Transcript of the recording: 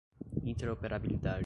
interoperabilidade